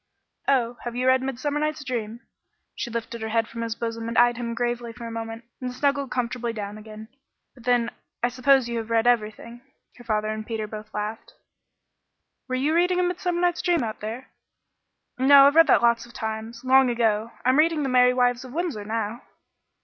"Oh, have you read 'Midsummer Night's Dream'?" She lifted her head from his bosom and eyed him gravely a moment, then snuggled comfortably down again. "But then, I suppose you have read everything." Her father and Peter both laughed. "Were you reading 'Midsummer Night's Dream' out there?" "No, I've read that lots of times long ago. I'm reading 'The Merry Wives of Windsor' now."